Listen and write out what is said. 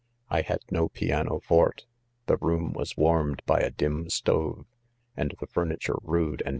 . I had no piano forte | the room was warmed by a dim stove, and the furniture rude and.